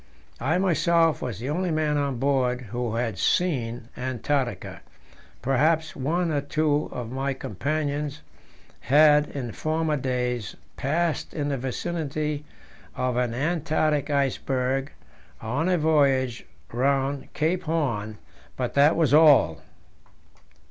I myself was the only man on board who had seen Antarctica; perhaps one or two of my companions had in former days passed in the vicinity of an Antarctic iceberg on a voyage round Cape Horn, but that was all.